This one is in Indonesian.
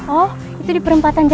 oh itu di perempatannya